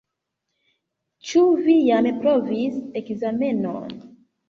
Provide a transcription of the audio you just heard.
Ĉu vi jam provis ekzamenon?